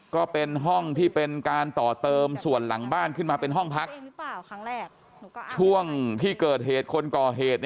ก็เป็นห้องที่เป็นการต่อเติมส่วนหลังบ้านขึ้นมาเป็นห้องพักช่วงที่เกิดเหตุคนก่อเหตุ